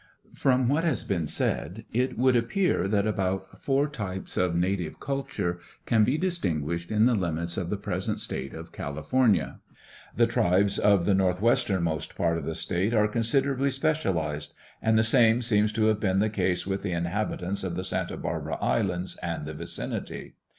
From what has been said it would appear that about four types of native culture can be distinguished in the limits of the present state of California. The tribes of the northwesternmost part of the state are considerably specialized, and the same seems to have been the case with the inhabitants of the Santa Barbara islands and the vicinity.